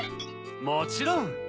もちろん！